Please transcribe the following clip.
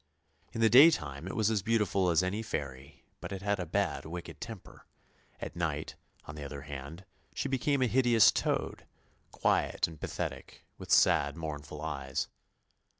In the day time it was as beautiful as any fairy, but it had a bad, wicked temper; at night, on the other hand, she became a hideous toad, quiet and pathetic, with sad mournful eyes.